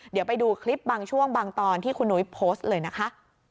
เดี๋ยวไปดูคลิปบางช่วงบางตอนที่คุณนุ้ยโพสต์เลยนะคะ